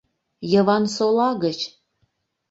Йывансола гыч...